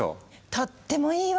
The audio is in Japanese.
とってもいいわ！